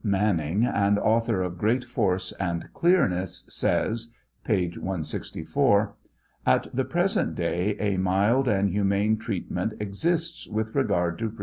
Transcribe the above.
Manning," an author of great force and clearness, says, (p. 164 :) At the present day a mild and humane treatment exists with regard to pri.